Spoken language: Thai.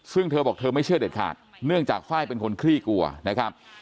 ซึ่งเธอบอกเธอไม่เชื่อเด็ดขาดเนื่องจากไฟล์เป็นคนคลี่กลัวนะครับ